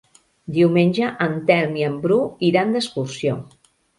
Diumenge en Telm i en Bru iran d'excursió.